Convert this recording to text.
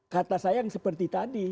kata saya yang seperti tadi